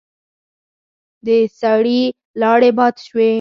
د سړي لاړې باد شوې.